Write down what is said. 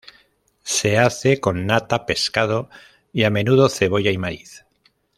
Se hace con nata, pescado, y a menudo cebolla y maíz.